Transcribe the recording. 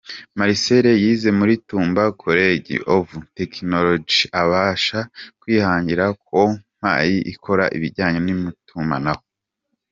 Marcel yize muri Tumba kolegi ovu Tekinonoloji abasha kwihangira kompanyi ikora ibijyanye n’itumanaho.